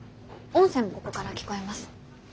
音声もここから聞こえます。